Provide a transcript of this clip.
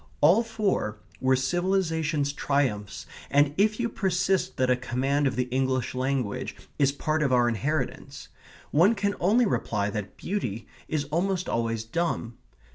All four were civilization's triumphs, and if you persist that a command of the English language is part of our inheritance, one can only reply that beauty is almost always dumb.